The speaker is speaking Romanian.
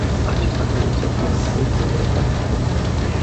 Acesta trebuie să fie un proiect european comun.